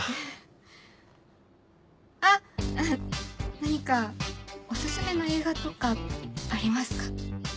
何かお薦めの映画とかありますか？